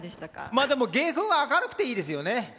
まあでも芸風は明るくていいですよね。